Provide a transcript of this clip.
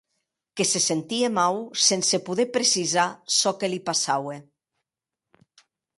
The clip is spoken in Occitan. Que se sentie mau, sense poder precisar çò que li passaue.